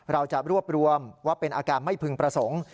เราจะรวบรวมว่าเป็นอาการไม่พึงประสงค์